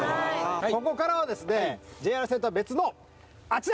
ここからは、ＪＲ線とは別のあちら！